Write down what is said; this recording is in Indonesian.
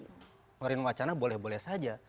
pengerian wacana boleh boleh saja